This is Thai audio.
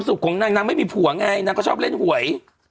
สุขของนักนักไม่มีผัวไงนักก็ชอบเล่นหวย